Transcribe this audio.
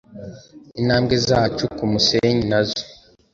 Intambwe zacu kumusenyi nazo